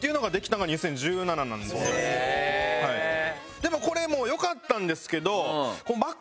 でもこれもよかったんですけど。